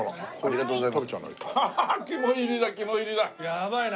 やばいな。